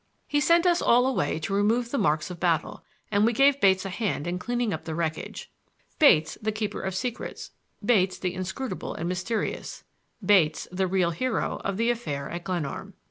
He sent us all away to remove the marks of battle, and we gave Bates a hand in cleaning up the wreckage,— Bates, the keeper of secrets; Bates, the inscrutable and mysterious; Bates, the real hero of the affair at Glenarm.